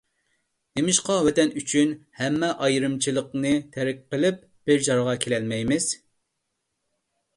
نېمىشقا ۋەتەن ئۈچۈن ھەممە ئايرىمىچىلىقنى تەرك قىلىپ بىر جايغا كېلەلمەيمىز؟!